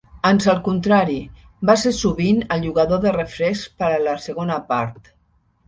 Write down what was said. Ans al contrari, va ser sovint el jugador de refresc per a la segona part.